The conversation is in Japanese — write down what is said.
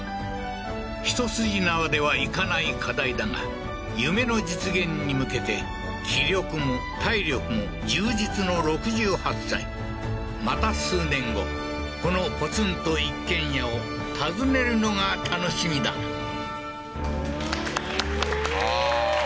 一筋縄ではいかない課題だが夢の実現に向けて気力も体力も充実の６８歳また数年後このポツンと一軒家を訪ねるのが楽しみだうーん！